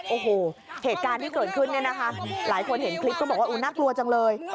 โอ้โหเหตุการณ์ที่เกิดขึ้นเนี่ยนะคะหลายคนเห็นคลิปก็บอกว่าน่ากลัวจังเลย